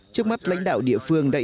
trước mắt lãnh đạo địa phương đại dịch